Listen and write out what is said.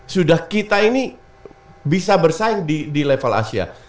sudah kita ini bisa bersaing di level asia